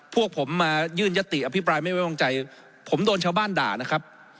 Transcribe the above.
พวกผมมายื่นยติอภิปรายไม่ไว้วางใจผมโดนชาวบ้านด่านะครับ